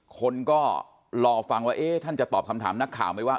คนก็รอฟังว่าท่านจะตอบคำถามนักข่าวไหมว่า